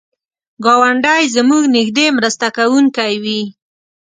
ګاونډی زموږ نږدې مرسته کوونکی وي